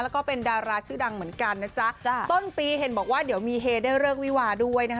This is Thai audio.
แล้วก็เป็นดาราชื่อดังเหมือนกันนะจ๊ะจ้ะต้นปีเห็นบอกว่าเดี๋ยวมีเฮได้เลิกวิวาด้วยนะคะ